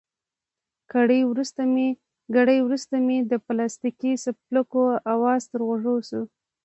ګړی وروسته مې د پلاستیکي څپلکو اواز تر غوږو شو.